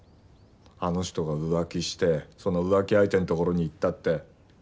あの人が浮気してその浮気相手のところに行ったって。